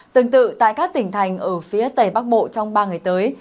tương tự tại các tỉnh thành ở phía tây bắc bộ trong ba ngày tới